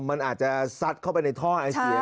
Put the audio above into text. มันอาจจะซัดเข้าไปในท่อไอเสีย